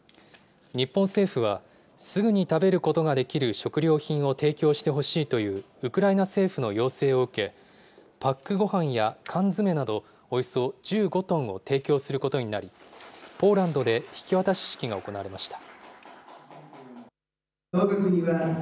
日本政府は、すぐに食べることができる食料品を提供してほしいというウクライナ政府の要請を受け、パックごはんや缶詰などおよそ１５トンを提供することになり、ポーランドで引き渡し式が行われました。